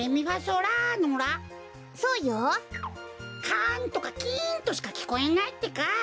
カンとかキンとしかきこえないってか。